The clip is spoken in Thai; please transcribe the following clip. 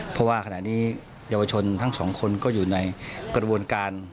เพราะว่าขณะนี้เยาวชนทั้งสองคนก็อยู่ในกระบวนการ